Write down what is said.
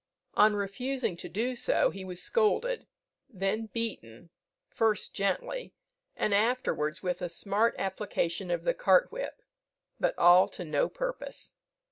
On refusing to do so, he was scolded, then beaten, first gently, and afterwards with a smart application of the cart whip, but all to no purpose.